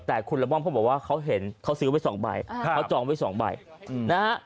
แต่คุณละม่อมเขาบอกว่าเขาเห็นเขาซื้อไว้๒ใบเขาจองไว้๒ใบนะฮะ